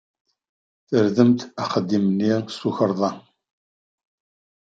Terdamt axeddam-nni s tukerḍa.